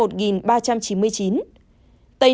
tình hình điều trị